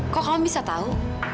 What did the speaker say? kok kamu bisa tau